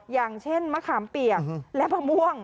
อย่างเช่นมะขามเปียกและมะม่วง